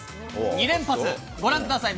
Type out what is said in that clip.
２連発、ご覧ください。